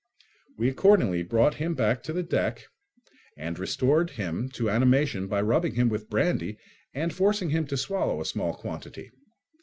We accordingly brought him back to the deck and restored him to animation by rubbing him with brandy and forcing him to swallow a small quantity.